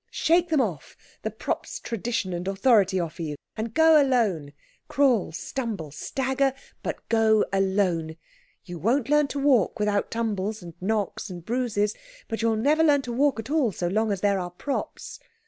"' shake them off, the props tradition and authority offer you, and go alone crawl, stumble, stagger, but go alone. You won't learn to walk without tumbles, and knocks, and bruises, but you'll never learn to walk at all so long as there are props.'